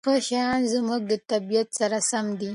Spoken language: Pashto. ښه شیان زموږ د طبیعت سره سم دي.